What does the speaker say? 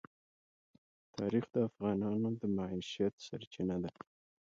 تاریخ د افغانانو د معیشت سرچینه ده.